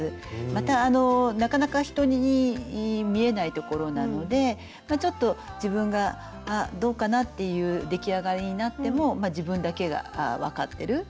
またなかなか人に見えない所なのでちょっと自分が「あっどうかな」っていう出来上がりになってもまあ自分だけが分かってる。